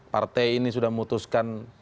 partai ini sudah memutuskan